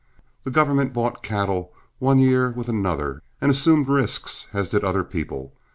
The government bought cattle one year with another, and assumed risks as did other people.